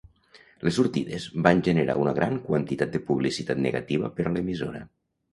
Les sortides van generar una gran quantitat de publicitat negativa per a l'emissora.